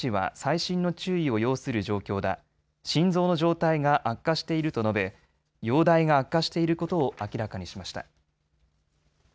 心臓の状態が悪化していると述べ容体が悪化していることを明らかにしました。